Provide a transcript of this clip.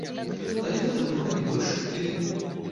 Але гэта было не больш як хвіліну.